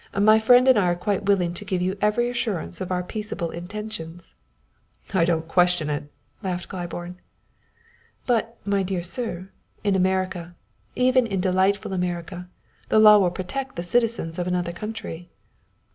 My friend and I are quite willing to give you every assurance of our peaceable intentions." "I don't question it," laughed Claiborne. "But, my dear sir, in America, even in delightful America, the law will protect the citizens of another country."